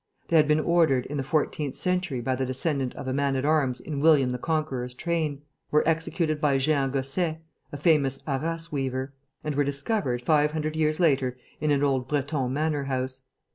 They had been ordered in the fourteenth century by the descendant of a man at arms in William the Conqueror's train; were executed by Jehan Gosset, a famous Arras weaver; and were discovered, five hundred years later, in an old Breton manor house.